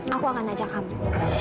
aku akan ajak kamu